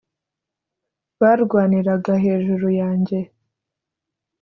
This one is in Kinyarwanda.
barwaniraga hejuru yanjye